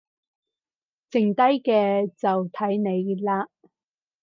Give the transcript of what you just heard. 剩低嘅就睇你喇